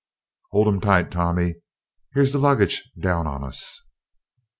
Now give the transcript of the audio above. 'Old 'im tight, Tommy here's the luggage down on us."